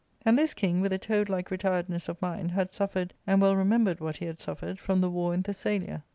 And this king, with a toad like retiredness of mind, had suffered, and well remembered . what he had suffered, from the war in Thessajia.